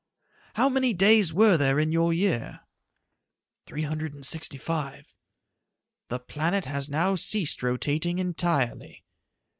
"How many days were there in your year?" "Three hundred and sixty five." "The planet has now ceased rotating entirely."